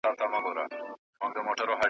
په دې شعر به څوک پوه سي